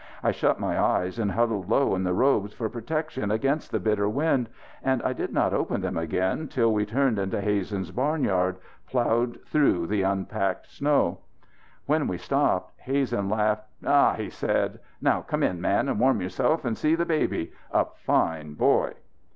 I shut my eyes and huddled low in the robes for protection against the bitter wind, and I did not open them again till we turned into Hazen's barnyard, ploughing through the unpacked snow. When we stopped Hazen laughed. "Ha!" he said. "Now, come in, man, and warm yourself and see the baby! A fine boy!"